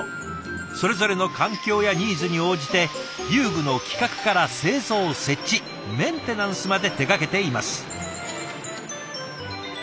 それぞれの環境やニーズに応じて遊具の企画から製造設置メンテナンスまで手がけています。